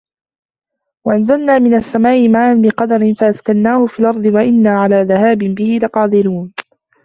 وأنزلنا من السماء ماء بقدر فأسكناه في الأرض وإنا على ذهاب به لقادرون